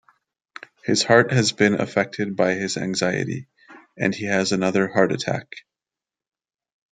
His heart has been affected by his anxiety, and he has another heart attack.